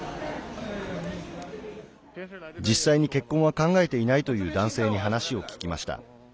実際に結婚は考えていないという男性に話を聞きました。